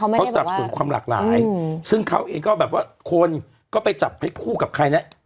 เขาสับสนความหลากหลายซึ่งเขาเองก็แบบว่าคนก็ไปจับให้คู่กับใครนะ